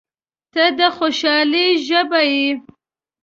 • ته د خوشحالۍ ژبه یې.